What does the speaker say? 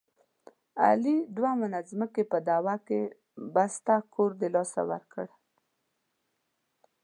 علي د دوه منه ځمکې په دعوه کې بسته کور دلاسه ورکړ.